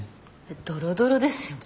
ドロドロですよ。